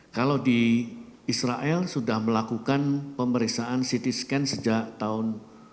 kalau di israel sudah melakukan pemeriksaan ct scan sejak tahun dua ribu